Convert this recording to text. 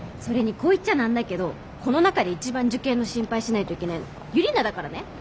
それにこう言っちゃなんだけどこの中で一番受験の心配しないといけないのユリナだからね。